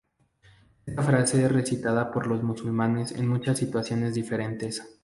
Esta frase es recitada por los musulmanes en muchas situaciones diferentes.